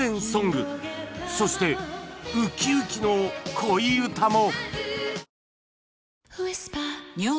そしてウキウキの恋うたも